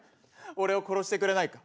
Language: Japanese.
俺を殺してくれないか？